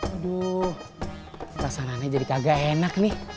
aduh perasaannya jadi kagak enak nih